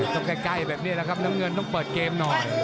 ใกล้แบบนี้แหละครับน้ำเงินต้องเปิดเกมหน่อย